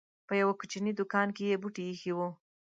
په يوه کوچنۍ دوکان کې یې بوټي اېښي وو.